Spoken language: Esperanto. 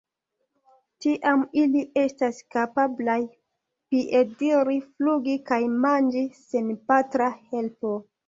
Tiam ili estas kapablaj piediri, flugi kaj manĝi sen patra helpo.